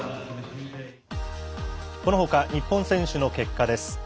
このほか日本選手の結果です。